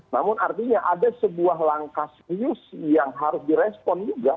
namun artinya ada sebuah langkah serius yang harus direspon juga